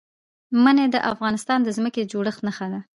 منی د افغانستان د ځمکې د جوړښت نښه ده.